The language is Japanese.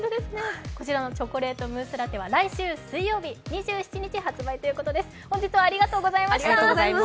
こちらのチョコレートムースラテは来週水曜日、２７日発売となっています。